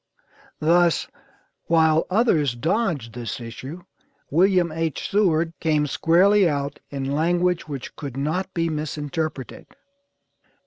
Thus, while others dodged this issue, William H. Seward came squarely out in language which could not be misinterpreted.